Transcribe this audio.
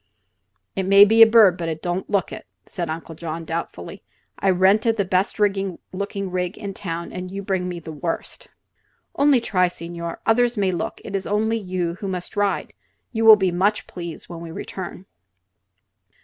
"It may be a bird, but it don't look it," said Uncle John, doubtfully. "I rented the best looking rig in town, and you bring me the worst." "Only try, signore! Others may look; it is only you who must ride. You will be much please when we return."